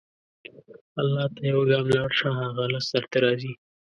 الله ته یو ګام لاړ شه، هغه لس درته راځي.